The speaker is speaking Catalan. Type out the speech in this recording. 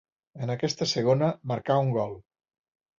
En aquesta segona marcà un gol.